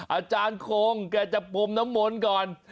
อาจารย์คงแกจะปมน้ำมนต์ก่อน